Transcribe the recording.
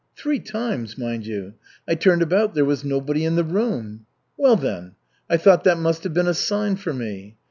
Three times, mind you. I turned about there was nobody in the room. Well, then, I thought that must have been a sign for me.